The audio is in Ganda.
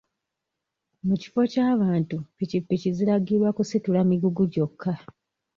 Mu kifo ky'abantu pikipiki ziragirwa kusitula migugu gyokka.